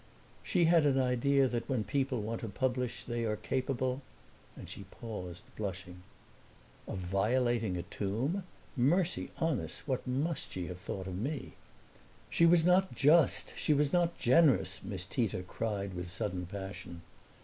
"She had an idea that when people want to publish they are capable " And she paused, blushing. "Of violating a tomb? Mercy on us, what must she have thought of me!" "She was not just, she was not generous!" Miss Tita cried with sudden passion.